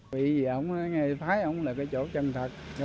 vì ông nghe phái ông là chỗ chân thật